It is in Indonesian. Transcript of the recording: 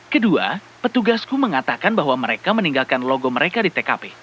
kedua petugasku mengatakan bahwa mereka meninggalkan logo mereka di tkp